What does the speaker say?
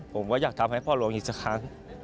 ผมก็อยากทำให้พ่อล้มอีกสักครั้ง